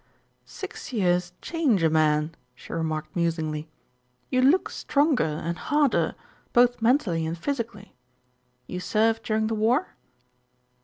"Six years change a man," she remarked musingly. "You look stronger and harder, both mentally and physically. You served during the war?"